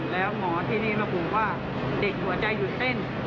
แล้วหมอที่นี่ระบุว่าเด็กหัวใจหยุดเต้น